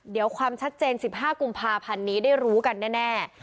เดี๋ยวความชัดเจน๑๕กุมภาพันธ์นี้ได้รู้กันแน่